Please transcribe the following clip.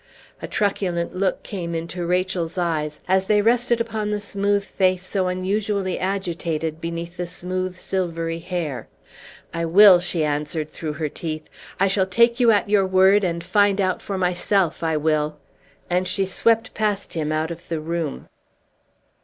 A truculent look came into Rachel's eyes, as they rested upon the smooth face so unusually agitated beneath the smooth silvery hair. "I will!" she answered through her teeth. "I shall take you at your word, and find out for myself I will!" And she swept past him out of the room.